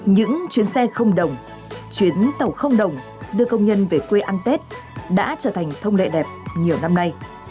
những chuyến xe không đồng chuyến tàu không đồng đưa công nhân về quê ăn tết đã trở thành thông lệ đẹp nhiều năm nay